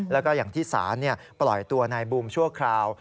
แล้วก็อย่างที่ศาลปล่อยตัวนายบูมชั่วคราว